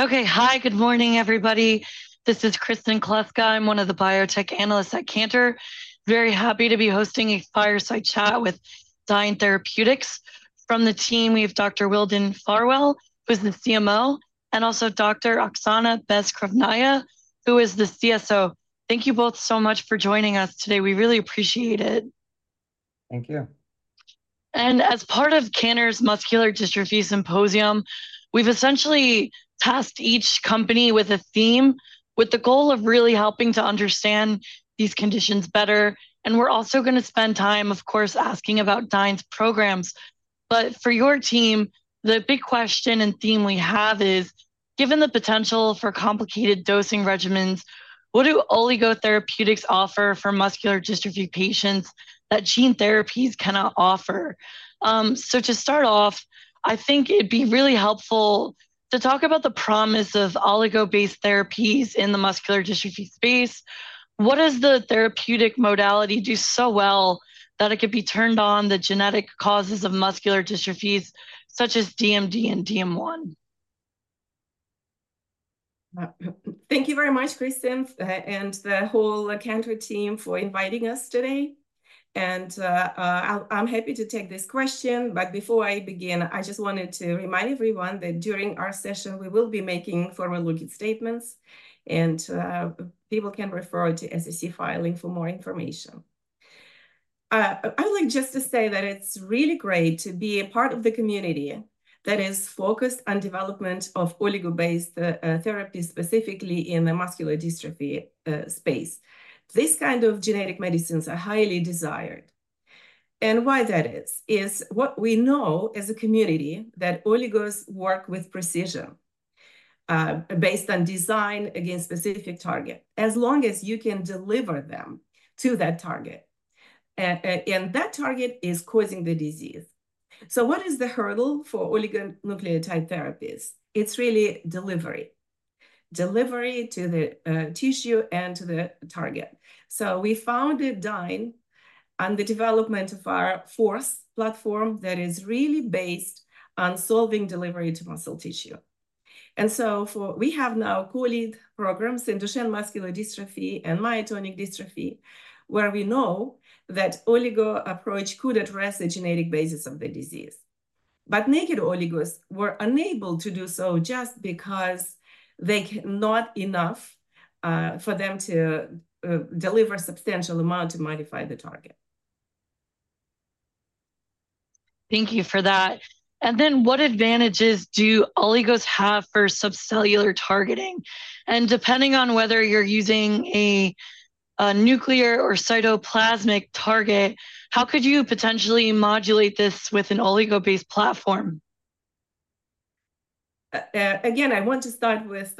Okay, hi, good morning, everybody. This is Kristen Kluska, I'm one of the biotech analysts at Cantor. Very happy to be hosting a fireside chat with Dyne Therapeutics. From the team we have Dr. Wildon Farwell, who is the CMO, and also Dr. Oxana Beskrovnaya, who is the CSO. Thank you both so much for joining us today, we really appreciate it. Thank you. As part of Cantor's Muscular Dystrophy Symposium, we've essentially tasked each company with a theme, with the goal of really helping to understand these conditions better. We're also going to spend time, of course, asking about Dyne's programs. For your team, the big question and theme we have is, given the potential for complicated dosing regimens, what do oligo therapeutics offer for muscular dystrophy patients that gene therapies cannot offer? So to start off, I think it'd be really helpful to talk about the promise of oligo-based therapies in the muscular dystrophy space. What does the therapeutic modality do so well that it could be turned on the genetic causes of muscular dystrophies, such as DMD and DM1? Thank you very much, Kristen, and the whole Cantor team for inviting us today. I'm happy to take this question, but before I begin, I just wanted to remind everyone that during our session we will be making forward-looking statements, and people can refer to SEC filing for more information. I would like just to say that it's really great to be a part of the community that is focused on development of oligo-based therapies specifically in the muscular dystrophy space. These kinds of genetic medicines are highly desired. Why that is, is what we know as a community that oligos work with precision, based on design against specific targets, as long as you can deliver them to that target, and that target is causing the disease. What is the hurdle for oligonucleotide therapies? It's really delivery. Delivery to the tissue and to the target. We founded Dyne on the development of our FORCE™ platform that is really based on solving delivery to muscle tissue. We have now co-lead programs in Duchenne muscular dystrophy and myotonic dystrophy, where we know that the oligo approach could address the genetic basis of the disease. But naked oligos were unable to do so just because they cannot get enough for them to deliver a substantial amount to modify the target. Thank you for that. And then what advantages do oligos have for subcellular targeting? And depending on whether you're using a nuclear or cytoplasmic target, how could you potentially modulate this with an oligo-based platform? Again, I want to start with,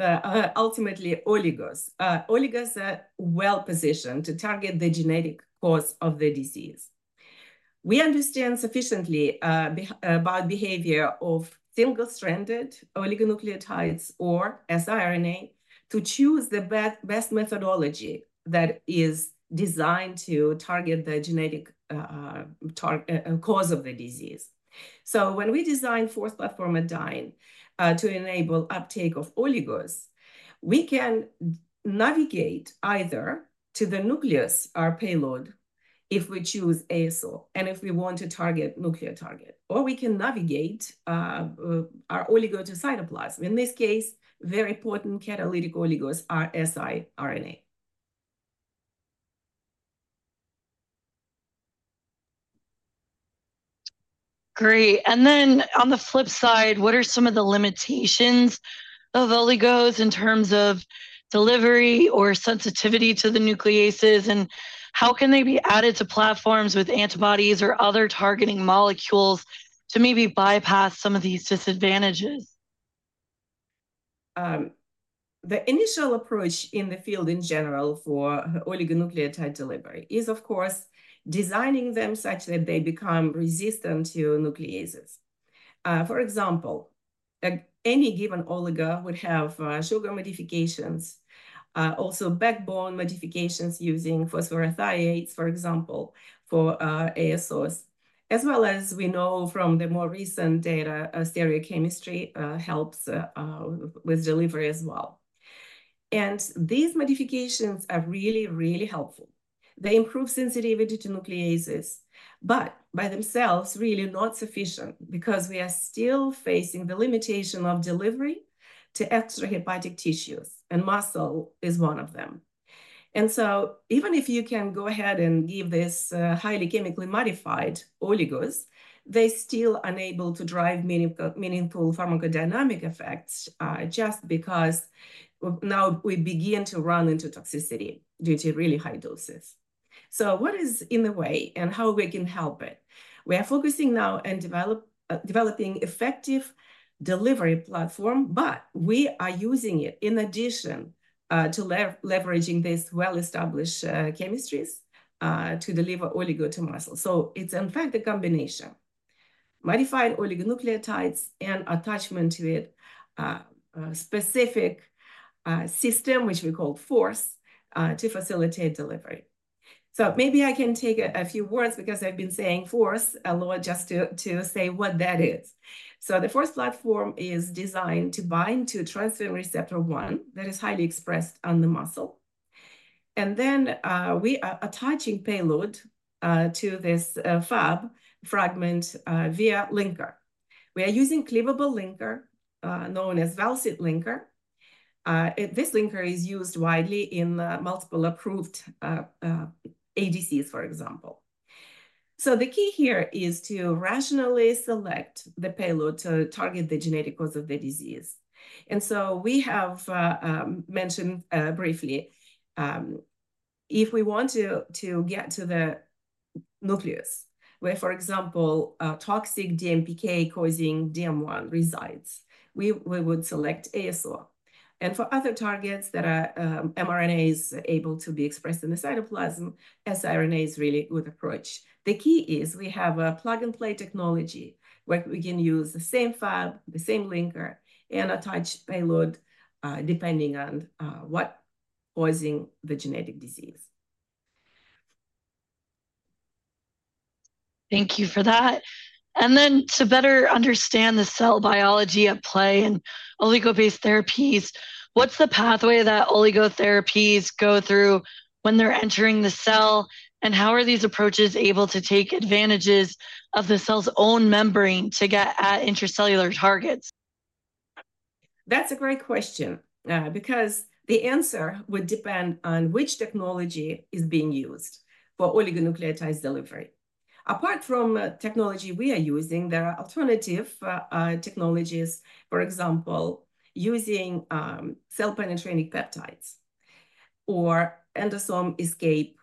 ultimately oligos. Oligos are well-positioned to target the genetic cause of the disease. We understand sufficiently about the behavior of single-stranded oligonucleotides, or siRNA, to choose the best methodology that is designed to target the genetic cause of the disease. So when we designed FORCE platform at Dyne to enable uptake of oligos, we can navigate either to the nucleus, our payload, if we choose ASO, and if we want to target a nuclear target, or we can navigate, our oligo to cytoplasm. In this case, very important catalytic oligos are siRNA. Great. And then on the flip side, what are some of the limitations of oligos in terms of delivery or sensitivity to the nucleases, and how can they be added to platforms with antibodies or other targeting molecules to maybe bypass some of these disadvantages? The initial approach in the field in general for oligonucleotide delivery is, of course, designing them such that they become resistant to nucleases. For example, any given oligo would have sugar modifications, also backbone modifications using phosphorothioates, for example, for ASOs, as well as we know from the more recent data, stereochemistry helps with delivery as well. These modifications are really, really helpful. They improve sensitivity to nucleases, but by themselves really not sufficient because we are still facing the limitation of delivery to extrahepatic tissues, and muscle is one of them. So even if you can go ahead and give this highly chemically modified oligos, they're still unable to drive meaningful pharmacodynamic effects, just because now we begin to run into toxicity due to really high doses. So what is in the way and how we can help it? We are focusing now on developing an effective delivery platform, but we are using it in addition to leveraging these well-established chemistries to deliver oligo to muscle. So it's, in fact, a combination. Modified oligonucleotides and attachment to it a specific system, which we call FORCE, to facilitate delivery. So maybe I can take a few words because I've been saying FORCE a lot just to say what that is. So the FORCE platform is designed to bind to transferrin receptor 1 that is highly expressed on the muscle. And then, we are attaching a payload to this Fab fragment via linker. We are using a cleavable linker, known as Val-Cit linker. This linker is used widely in multiple approved ADCs, for example. So the key here is to rationally select the payload to target the genetic cause of the disease. So we have mentioned briefly if we want to get to the nucleus where, for example, toxic DMPK causing DM1 resides, we would select ASO. For other targets that are mRNA is able to be expressed in the cytoplasm, siRNA is really a good approach. The key is we have a plug-and-play technology where we can use the same Fab, the same linker, and attach a payload, depending on what's causing the genetic disease. Thank you for that. To better understand the cell biology at play in oligo-based therapies, what's the pathway that oligotherapies go through when they're entering the cell, and how are these approaches able to take advantages of the cell's own membrane to get at intracellular targets? That's a great question, because the answer would depend on which technology is being used for oligonucleotide delivery. Apart from the technology we are using, there are alternative technologies, for example, using cell-penetrating peptides or endosome escape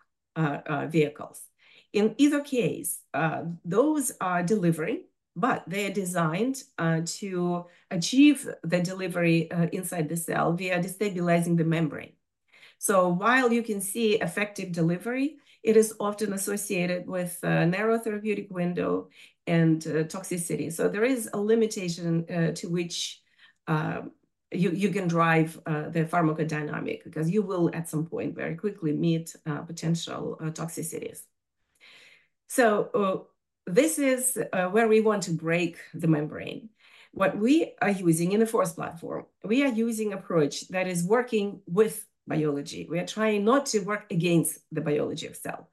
vehicles. In either case, those are delivering, but they're designed to achieve the delivery inside the cell via destabilizing the membrane. So while you can see effective delivery, it is often associated with a narrow therapeutic window and toxicity. So there is a limitation to which you can drive the pharmacodynamic because you will at some point very quickly meet potential toxicities. So, this is where we want to break the membrane. What we are using in the FORCE platform, we are using an approach that is working with biology. We are trying not to work against the biology of the cell.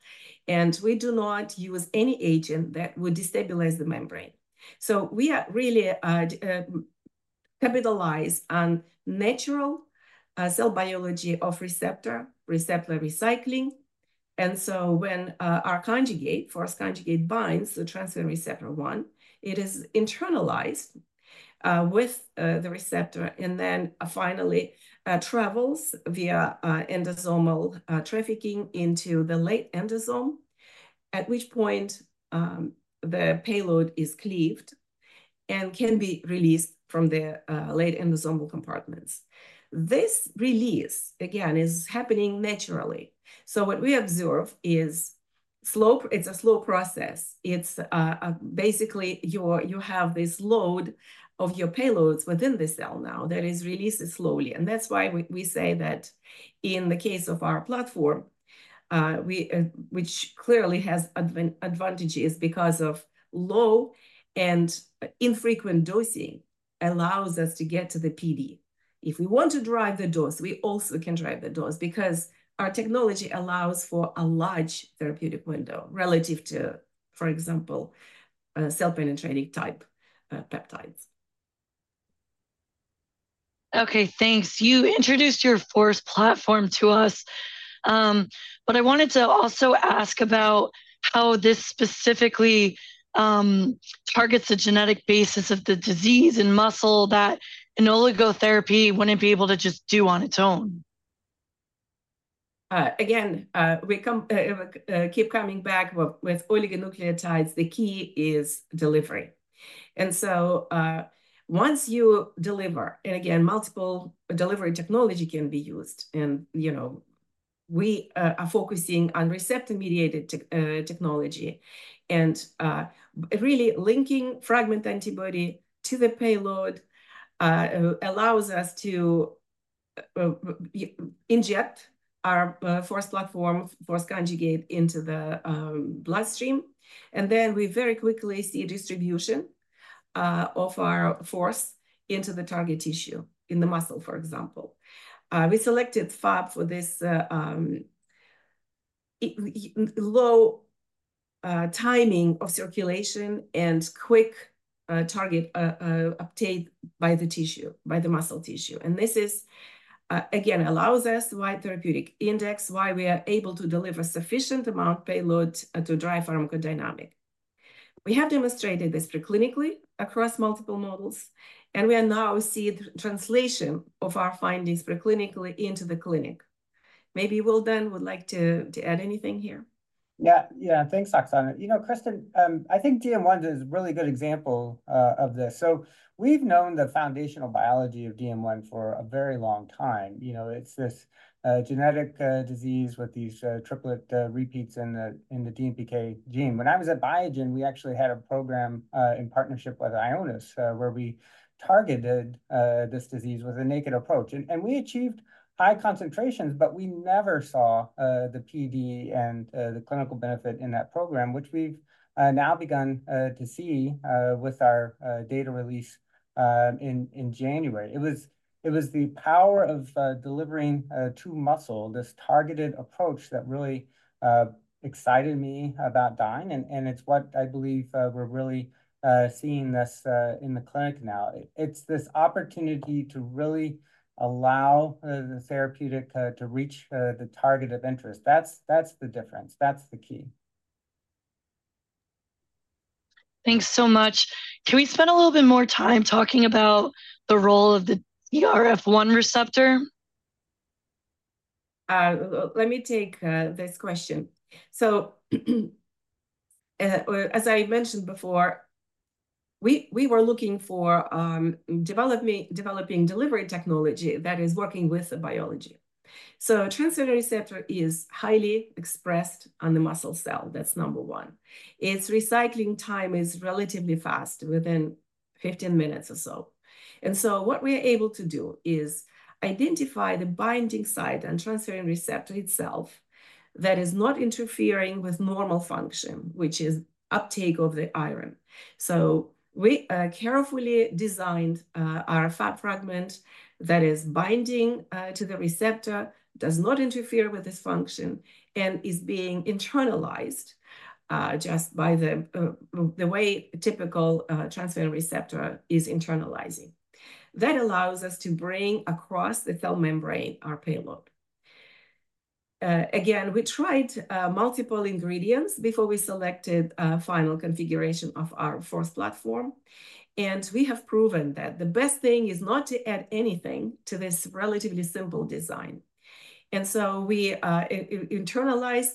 We do not use any agent that would destabilize the membrane. So we are really capitalizing on natural cell biology of receptor recycling. And so when our conjugate, FORCE conjugate, binds to transferrin receptor 1, it is internalized with the receptor, and then finally travels via endosomal trafficking into the late endosome, at which point the payload is cleaved and can be released from the late endosomal compartments. This release, again, is happening naturally. So what we observe is a slow process. It's basically you have this load of your payloads within the cell now that is released slowly. And that's why we say that in the case of our platform, which clearly has advantages because of low and infrequent dosing allows us to get to the PD. If we want to drive the dose, we also can drive the dose because our technology allows for a large therapeutic window relative to, for example, cell-penetrating type peptides. Okay, thanks. You introduced your FORCE platform to us. But I wanted to also ask about how this specifically, targets the genetic basis of the disease in muscle that an oligotherapy wouldn't be able to just do on its own. Again, we keep coming back with oligonucleotides. The key is delivery. And so, once you deliver, and again, multiple delivery technologies can be used, and, you know, we are focusing on receptor-mediated technology. And, really linking Fab to the payload, allows us to inject our FORCE platform, FORCE conjugate, into the bloodstream. And then we very quickly see a distribution of our FORCE into the target tissue in the muscle, for example. We selected Fab for this, long time in circulation and quick target uptake by the tissue, by the muscle tissue. And this is, again, allows us why therapeutic index, why we are able to deliver a sufficient amount of payload to drive pharmacodynamic. We have demonstrated this preclinically across multiple models, and we are now seeing translation of our findings preclinically into the clinic. Maybe Wildon then would like to add anything here. Yeah, yeah, thanks, Oxana. You know, Kristen, I think DM1 is a really good example of this. So we've known the foundational biology of DM1 for a very long time. You know, it's this genetic disease with these triplet repeats in the DMPK gene. When I was at Biogen, we actually had a program in partnership with Ionis where we targeted this disease with a naked approach. And we achieved high concentrations, but we never saw the PD and the clinical benefit in that program, which we've now begun to see with our data release in January. It was the power of delivering to muscle, this targeted approach that really excited me about Dyne. And it's what I believe we're really seeing this in the clinic now. It's this opportunity to really allow the therapeutic to reach the target of interest. That's the difference. That's the key. Thanks so much. Can we spend a little bit more time talking about the role of the TfR1 receptor? Let me take this question. So, as I mentioned before, we were looking for developing delivery technology that is working with biology. So transferrin receptor is highly expressed on the muscle cell. That's number one. Its recycling time is relatively fast, within 15 minutes or so. And so what we are able to do is identify the binding site on transferrin receptor itself that is not interfering with normal function, which is uptake of the iron. So we carefully designed our Fab fragment that is binding to the receptor, does not interfere with this function, and is being internalized just by the way a typical transferrin receptor is internalizing. That allows us to bring across the cell membrane our payload. Again, we tried multiple ingredients before we selected a final configuration of our FORCE platform. We have proven that the best thing is not to add anything to this relatively simple design. So the internalized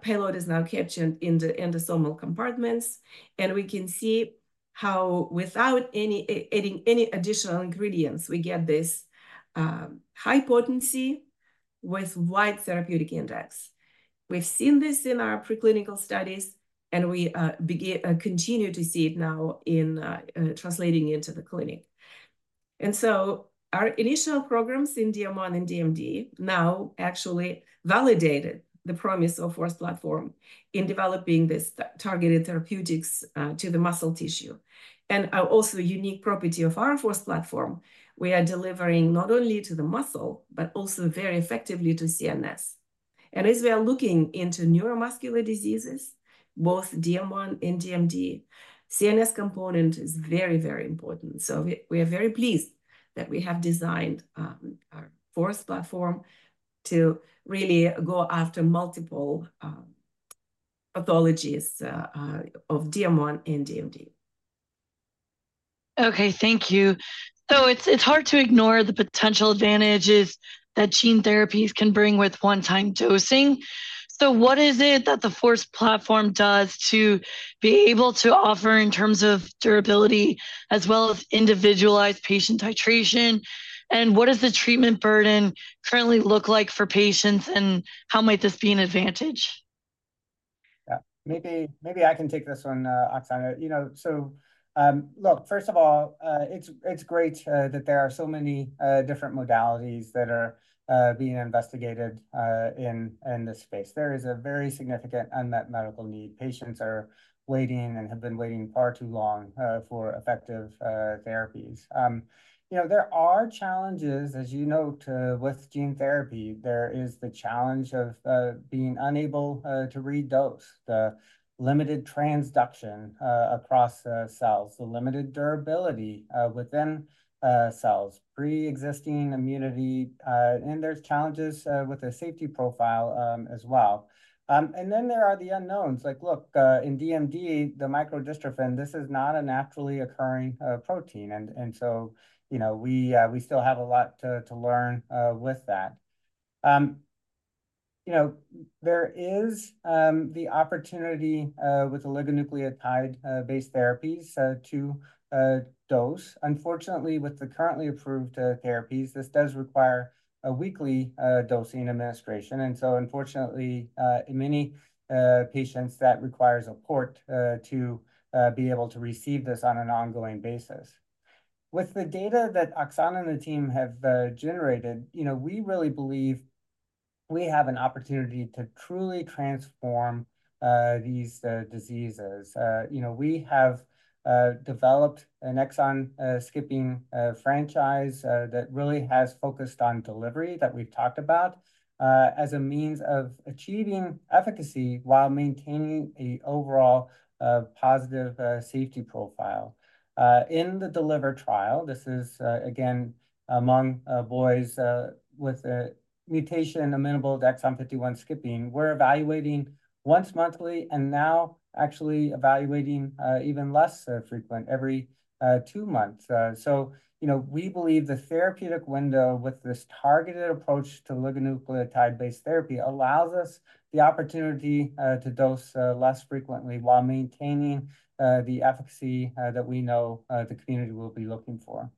payload is now captured in the endosomal compartments. We can see how without adding any additional ingredients, we get this high potency with a wide therapeutic index. We've seen this in our preclinical studies, and we continue to see it now in translating into the clinic. So our initial programs in DM1 and DMD now actually validated the promise of FORCE platform in developing this targeted therapeutics to the muscle tissue. Also, a unique property of our FORCE platform, we are delivering not only to the muscle, but also very effectively to CNS. As we are looking into neuromuscular diseases, both DM1 and DMD, the CNS component is very, very important. We are very pleased that we have designed our FORCE platform to really go after multiple pathologies of DM1 and DMD. Okay, thank you. So it's hard to ignore the potential advantages that gene therapies can bring with one-time dosing. So what is it that the FORCE platform does to be able to offer in terms of durability as well as individualized patient titration? And what does the treatment burden currently look like for patients, and how might this be an advantage? Yeah, maybe I can take this one, Oxana. You know, so look, first of all, it's great that there are so many different modalities that are being investigated in this space. There is a very significant unmet medical need. Patients are waiting and have been waiting far too long for effective therapies. You know, there are challenges, as you note, with gene therapy. There is the challenge of being unable to redose, the limited transduction across cells, the limited durability within cells, pre-existing immunity. And there's challenges with a safety profile as well. And then there are the unknowns. Like, look, in DMD, the microdystrophin, this is not a naturally occurring protein. And so, you know, we still have a lot to learn with that. You know, there is the opportunity with oligonucleotide-based therapies to dose. Unfortunately, with the currently approved therapies, this does require a weekly dosing administration. Unfortunately, in many patients, that requires a port to be able to receive this on an ongoing basis. With the data that Oxana and the team have generated, you know, we really believe we have an opportunity to truly transform these diseases. You know, we have developed an exon-skipping franchise that really has focused on delivery that we've talked about as a means of achieving efficacy while maintaining an overall positive safety profile. In the DELIVER trial, this is again among boys with a mutation amenable to exon 51 skipping. We're evaluating once monthly and now actually evaluating even less frequent every two months. You know, we believe the therapeutic window with this targeted approach to oligonucleotide-based therapy allows us the opportunity to dose less frequently while maintaining the efficacy that we know the community will be looking for.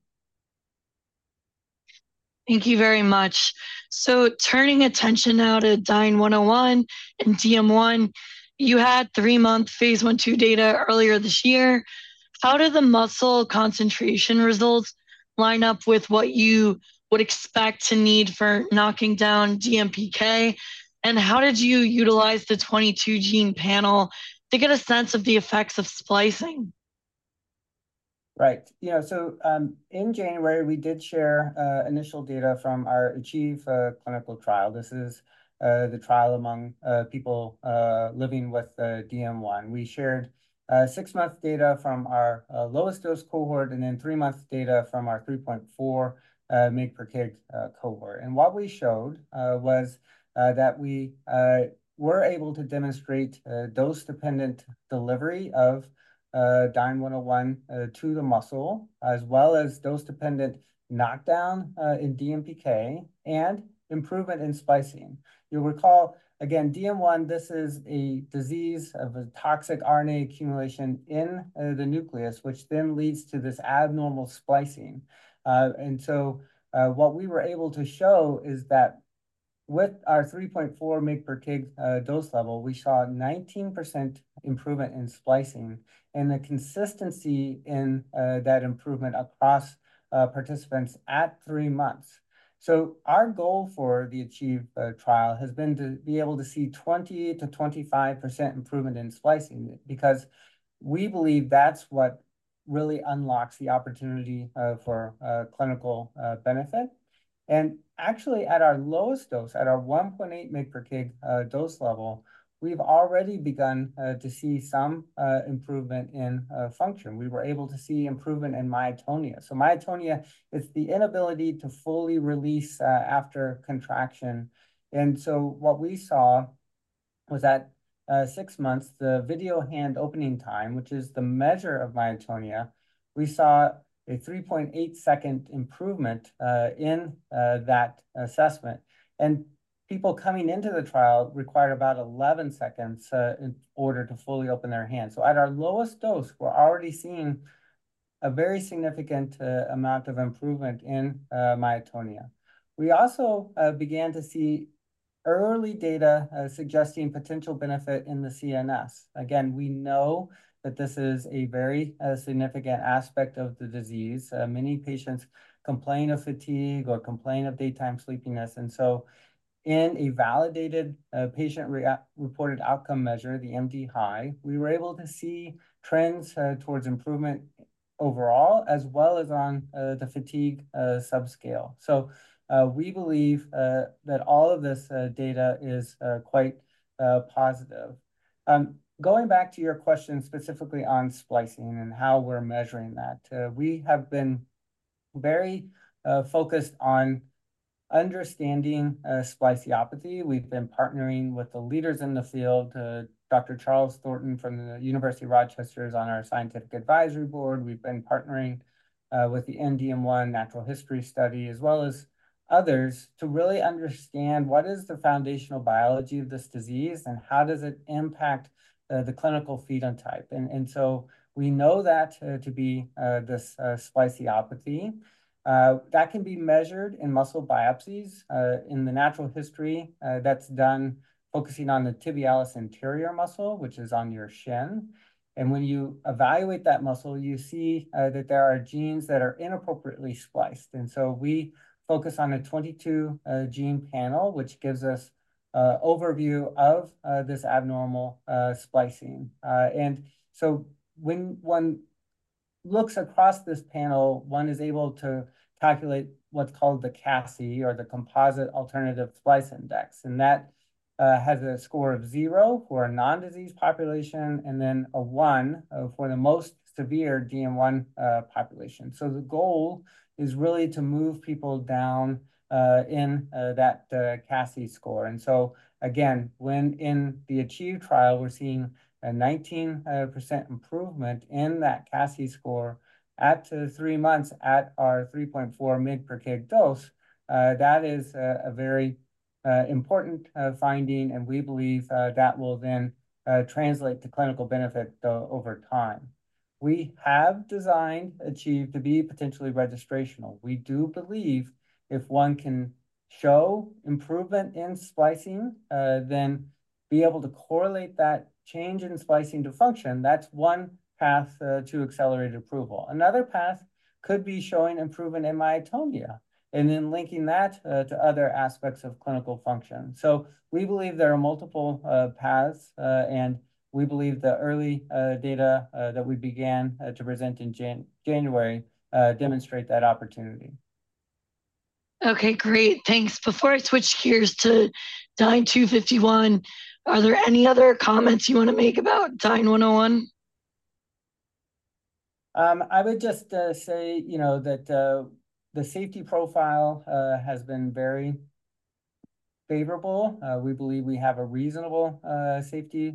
Thank you very much. So turning attention now to DYNE-101 and DM1, you had 3-month phase I/II data earlier this year. How do the muscle concentration results line up with what you would expect to need for knocking down DMPK? And how did you utilize the 22-gene panel to get a sense of the effects of splicing? Right. You know, so in January, we did share initial data from our ACHIEVE clinical trial. This is the trial among people living with DM1. We shared 6-month data from our lowest dose cohort and then 3-month data from our 3.4 mg/kg cohort. And what we showed was that we were able to demonstrate dose-dependent delivery of DYNE-101 to the muscle, as well as dose-dependent knockdown in DMPK and improvement in splicing. You'll recall, again, DM1, this is a disease of a toxic RNA accumulation in the nucleus, which then leads to this abnormal splicing. And so what we were able to show is that with our 3.4 mg/kg dose level, we saw a 19% improvement in splicing and the consistency in that improvement across participants at 3 months. So our goal for the ACHIEVE trial has been to be able to see 20% to 25% improvement in splicing because we believe that's what really unlocks the opportunity for clinical benefit. And actually, at our lowest dose, at our 1.8 mg/kg dose level, we've already begun to see some improvement in function. We were able to see improvement in myotonia. So myotonia, it's the inability to fully release after contraction. And so what we saw was that six months, the video hand opening time, which is the measure of myotonia, we saw a 3.8-second improvement in that assessment. And people coming into the trial required about 11 seconds in order to fully open their hands. So at our lowest dose, we're already seeing a very significant amount of improvement in myotonia. We also began to see early data suggesting potential benefit in the CNS. Again, we know that this is a very significant aspect of the disease. Many patients complain of fatigue or complain of daytime sleepiness. So in a validated patient-reported outcome measure, the MDHI, we were able to see trends towards improvement overall, as well as on the fatigue subscale. So we believe that all of this data is quite positive. Going back to your question specifically on splicing and how we're measuring that, we have been very focused on understanding spliceopathy. We've been partnering with the leaders in the field, Dr. Charles Thornton from the University of Rochester is on our scientific advisory board. We've been partnering with the DM1 natural history study, as well as others, to really understand what is the foundational biology of this disease and how does it impact the clinical phenotype. We know that to be this spliceopathy, that can be measured in muscle biopsies. In the natural history, that's done focusing on the tibialis anterior muscle, which is on your shin. When you evaluate that muscle, you see that there are genes that are inappropriately spliced. We focus on a 22-gene panel, which gives us an overview of this abnormal splicing. When one looks across this panel, one is able to calculate what's called the CASI or the Composite Alternative Splice Index. That has a score of 0 for a non-disease population and then a 1 for the most severe DM1 population. The goal is really to move people down in that CASI score. In the ACHIEVE trial, we're seeing a 19% improvement in that CASI score at 3 months at our 3.4 mg/kg dose. That is a very important finding, and we believe that will then translate to clinical benefit over time. We have designed ACHIEVE to be potentially registrational. We do believe if one can show improvement in splicing, then be able to correlate that change in splicing to function, that's one path to accelerated approval. Another path could be showing improvement in myotonia and then linking that to other aspects of clinical function. So we believe there are multiple paths, and we believe the early data that we began to present in January demonstrate that opportunity. Okay, great. Thanks. Before I switch gears to DYNE-251, are there any other comments you want to make about DYNE-101? I would just say, you know, that the safety profile has been very favorable. We believe we have a reasonable safety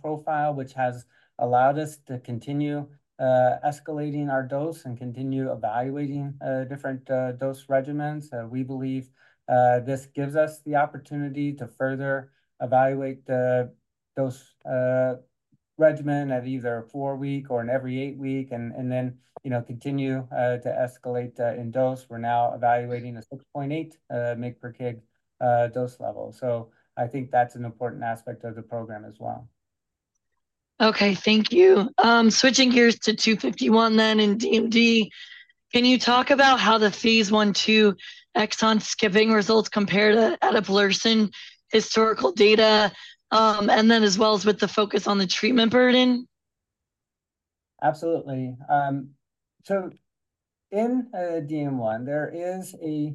profile, which has allowed us to continue escalating our dose and continue evaluating different dose regimens. We believe this gives us the opportunity to further evaluate the dose regimen at either a 4-week or an every 8-week and then, you know, continue to escalate in dose. We're now evaluating a 6.8 mg/kg dose level. So I think that's an important aspect of the program as well. Okay, thank you. Switching gears to 251 then in DMD, can you talk about how the phase I/II exon skipping results compared to eteplirsen historical data and then as well as with the focus on the treatment burden? Absolutely. So in DM1, there is a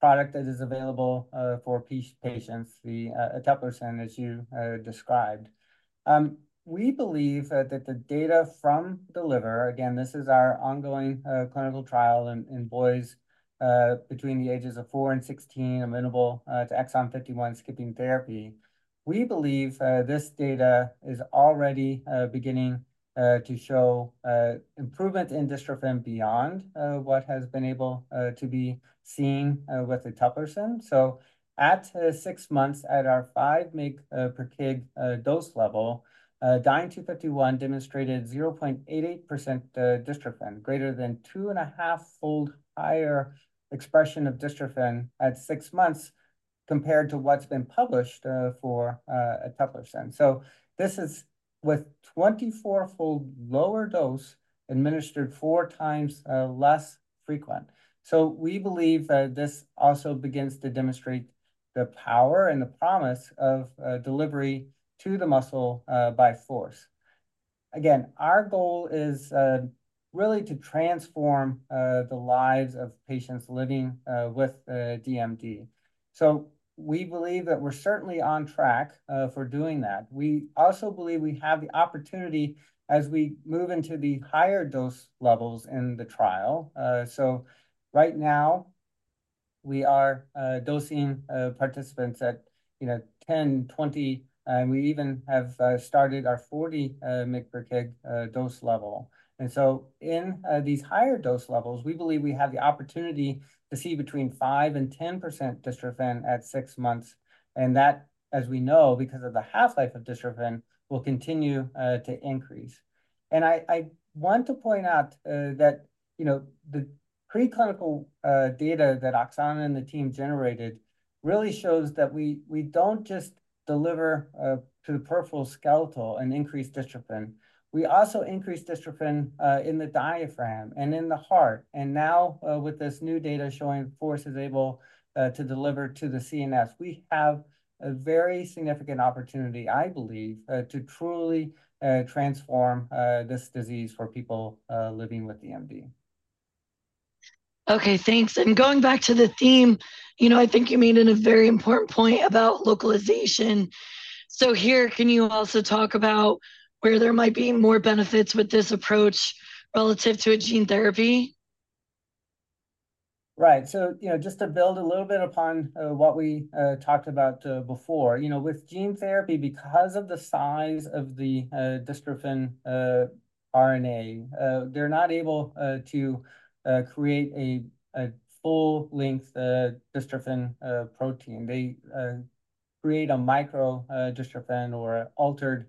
product that is available for patients, the eteplirsen as you described. We believe that the data from DELIVER, again, this is our ongoing clinical trial in boys between the ages of 4 and 16 amenable to exon 51 skipping therapy. We believe this data is already beginning to show improvement in dystrophin beyond what has been able to be seen with eteplirsen. So at six months at our 5 mg/kg dose level, DYNE-251 demonstrated 0.88% dystrophin, greater than 2.5-fold higher expression of dystrophin at six months compared to what's been published for eteplirsen. So this is with 24-fold lower dose administered 4 times less frequent. So we believe that this also begins to demonstrate the power and the promise of delivery to the muscle by FORCE. Again, our goal is really to transform the lives of patients living with DMD. So we believe that we're certainly on track for doing that. We also believe we have the opportunity as we move into the higher dose levels in the trial. So right now, we are dosing participants at, you know, 10, 20, and we even have started our 40 mg/kg dose level. And so in these higher dose levels, we believe we have the opportunity to see between 5% and 10% dystrophin at 6 months. And that, as we know, because of the half-life of dystrophin, will continue to increase. And I want to point out that, you know, the preclinical data that Oxana and the team generated really shows that we don't just deliver to the peripheral skeletal and increase dystrophin. We also increase dystrophin in the diaphragm and in the heart. And now with this new data showing FORCE is able to deliver to the CNS, we have a very significant opportunity, I believe, to truly transform this disease for people living with DMD. Okay, thanks. And going back to the theme, you know, I think you made a very important point about localization. So here, can you also talk about where there might be more benefits with this approach relative to a gene therapy? Right. So, you know, just to build a little bit upon what we talked about before, you know, with gene therapy, because of the size of the dystrophin RNA, they're not able to create a full-length dystrophin protein. They create a microdystrophin or altered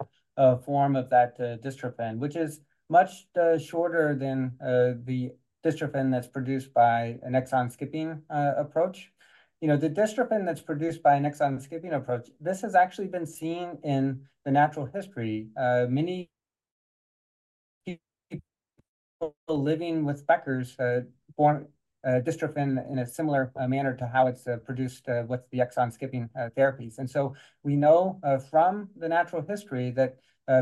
form of that dystrophin, which is much shorter than the dystrophin that's produced by an exon skipping approach. You know, the dystrophin that's produced by an exon skipping approach, this has actually been seen in the natural history. Many people living with Becker's dystrophy in a similar manner to how it's produced with the exon skipping therapies. And so we know from the natural history that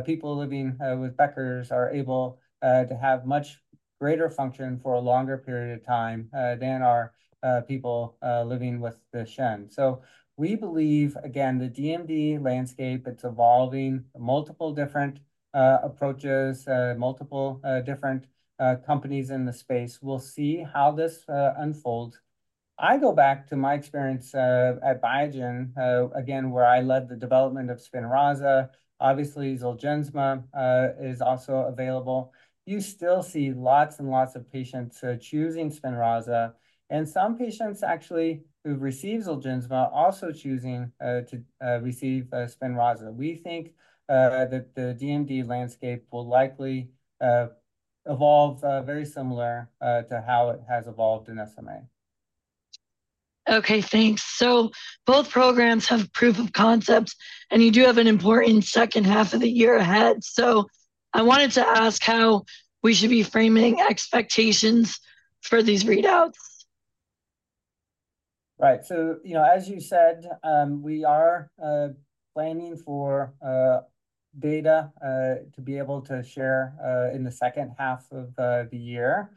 people living with Becker's are able to have much greater function for a longer period of time than our people living with Duchenne. So we believe, again, the DMD landscape, it's evolving multiple different approaches, multiple different companies in the space. We'll see how this unfolds. I go back to my experience at Biogen, again, where I led the development of Spinraza. Obviously, Zolgensma is also available. You still see lots and lots of patients choosing Spinraza. And some patients actually who receive Zolgensma also choosing to receive Spinraza. We think that the DMD landscape will likely evolve very similar to how it has evolved in SMA. Okay, thanks. So both programs have proof of concept, and you do have an important second half of the year ahead. So I wanted to ask how we should be framing expectations for these readouts. Right. So, you know, as you said, we are planning for data to be able to share in the second half of the year.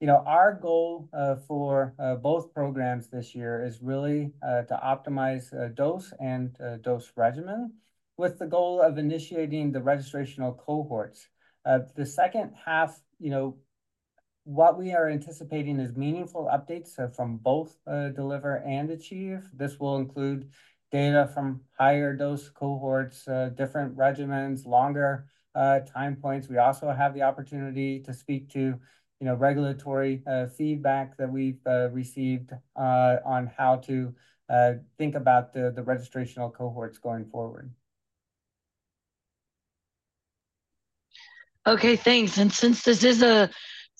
You know, our goal for both programs this year is really to optimize dose and dose regimen with the goal of initiating the registrational cohorts. The second half, you know, what we are anticipating is meaningful updates from both DELIVER and ACHIEVE. This will include data from higher dose cohorts, different regimens, longer time points. We also have the opportunity to speak to, you know, regulatory feedback that we've received on how to think about the registrational cohorts going forward. Okay, thanks. And since this is a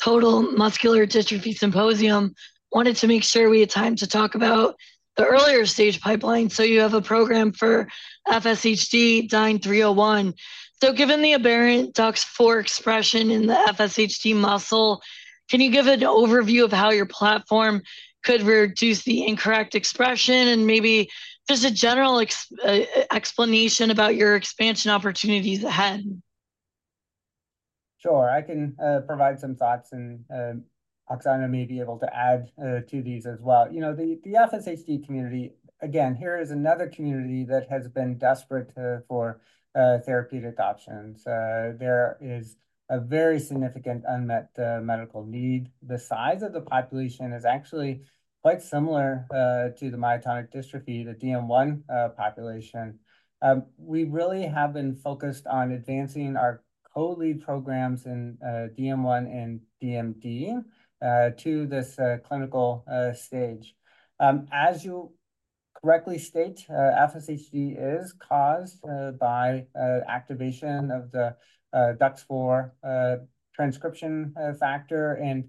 total muscular dystrophy symposium, I wanted to make sure we had time to talk about the earlier stage pipeline. So you have a program for FSHD, DYNE-301. So given the aberrant DUX4 expression in the FSHD muscle, can you give an overview of how your platform could reduce the incorrect expression and maybe just a general explanation about your expansion opportunities ahead? Sure. I can provide some thoughts, and Oxana may be able to add to these as well. You know, the FSHD community, again, here is another community that has been desperate for therapeutic options. There is a very significant unmet medical need. The size of the population is actually quite similar to the myotonic dystrophy, the DM1 population. We really have been focused on advancing our co-lead programs in DM1 and DMD to this clinical stage. As you correctly state, FSHD is caused by activation of the DUX4 transcription factor. And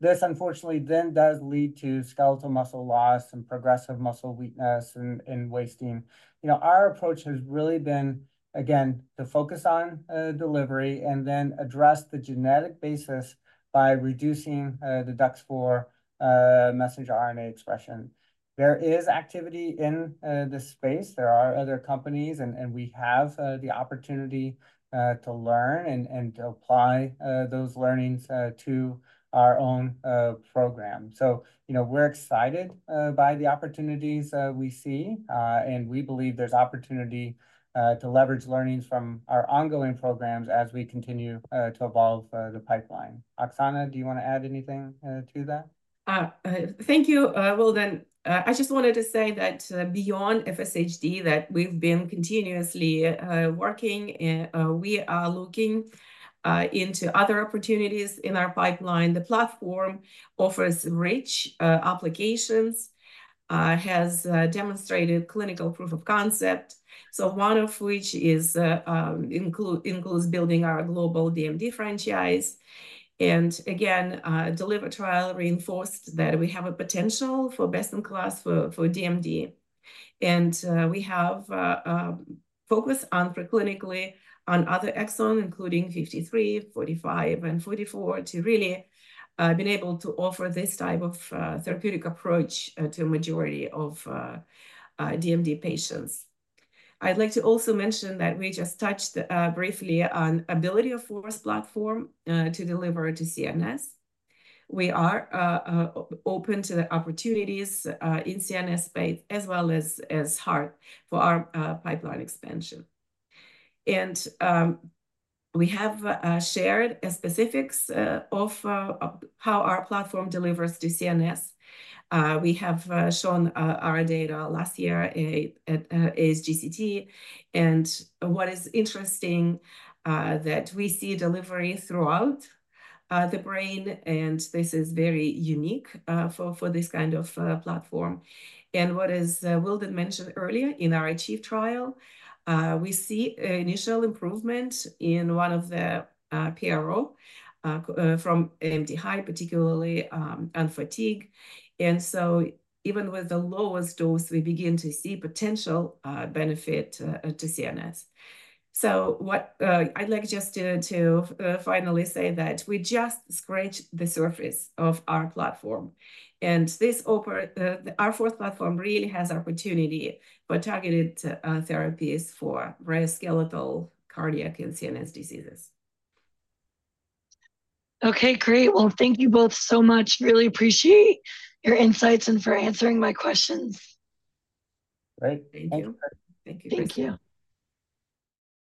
this unfortunately then does lead to skeletal muscle loss and progressive muscle weakness and wasting. You know, our approach has really been, again, to focus on delivery and then address the genetic basis by reducing the DUX4 messenger RNA expression. There is activity in this space. There are other companies, and we have the opportunity to learn and to apply those learnings to our own program. So, you know, we're excited by the opportunities we see, and we believe there's opportunity to leverage learnings from our ongoing programs as we continue to evolve the pipeline. Oxana, do you want to add anything to that? Thank you. Well then, I just wanted to say that beyond FSHD, that we've been continuously working, we are looking into other opportunities in our pipeline. The platform offers rich applications, has demonstrated clinical proof of concept, so one of which includes building our global DMD franchise. And again, DELIVER trial reinforced that we have a potential for best-in-class for DMD. And we have focused preclinically on other exons, including 53, 45, and 44, to really be able to offer this type of therapeutic approach to a majority of DMD patients. I'd like to also mention that we just touched briefly on the ability of the FORCE platform to deliver to CNS. We are open to the opportunities in the CNS space as well as heart for our pipeline expansion. And we have shared specifics of how our platform delivers to CNS. We have shown our data last year at ASGCT. What is interesting is that we see delivery throughout the brain, and this is very unique for this kind of platform. What Wildon mentioned earlier in our ACHIEVE trial, we see initial improvement in one of the PROs from MDHI, particularly on fatigue. And so even with the lowest dose, we begin to see potential benefit to CNS. So I'd like just to finally say that we just scratched the surface of our platform. Our fourth platform really has the opportunity for targeted therapies for very skeletal cardiac and CNS diseases. Okay, great. Well, thank you both so much. Really appreciate your insights and for answering my questions. Great. Thank you. Thank you.